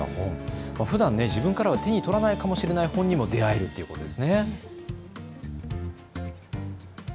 ふだん自分からは手に取らないかもしれない本にも出会えるということですね。